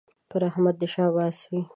پر احمد دې شاباس وي